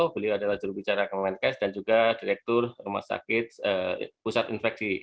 beliau adalah jurubicara kemenkes dan juga direktur rumah sakit pusat infeksi